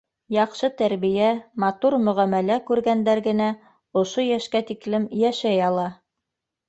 Яҡшы тәрбиә, матур мөғәмәлә күргәндәр генә ошо йәшкә тиклем йәшәй ала.